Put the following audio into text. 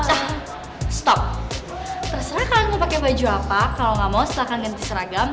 ah stop terserah kalian mau pake baju apa kalo gak mau silahkan ganti seragam